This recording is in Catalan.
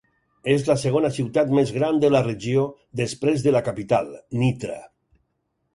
És la segona ciutat més gran de la regió, després de la capital, Nitra.